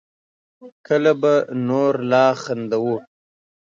کله به نور لا خندوو